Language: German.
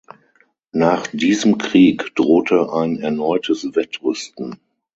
Nach diesem Krieg drohte ein erneutes Wettrüsten.